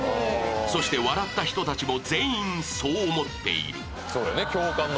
そして笑った人達も全員そう思っているそうだね